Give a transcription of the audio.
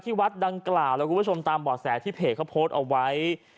วัดดังกล่าวแล้วคุณผู้ชมตามบ่อแสที่เพจเขาโพสต์เอาไว้